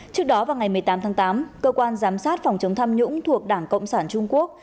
trước đó vào ngày một mươi tám tháng tám cơ quan giám sát phòng chống tham nhũng thuộc đảng cộng sản trung quốc